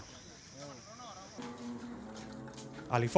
saya buscar tadi kalau apa